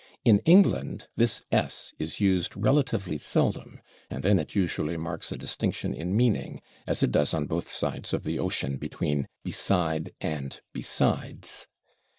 In England this /s/ is used relatively seldom, and then it usually marks a distinction in meaning, as it does on both sides of the ocean between /beside/ and /besides